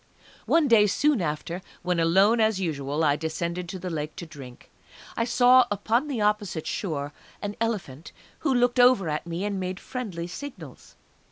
One day soon after, when alone as usual I descended to the Lake to drink, I saw upon the opposite shore an elephant who looked over at me and made friendly signals.